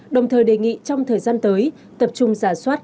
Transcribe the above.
đồng thời đề nghị trong thời gian tới tập trung giả soát